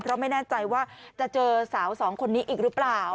เพราะไม่แน่ใจว่าจะเจอสาวสองคนนี้อีกหรือเปล่า